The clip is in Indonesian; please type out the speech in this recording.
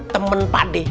temen pak d